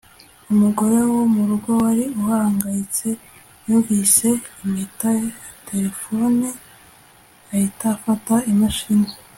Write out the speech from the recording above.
Umugore wo murugo wari uhangayitse yumvise impeta ya terefone ahita afata imashini